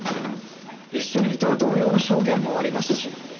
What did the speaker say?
一緒にいた同僚の証言もありましたし。